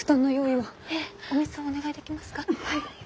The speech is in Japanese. はい！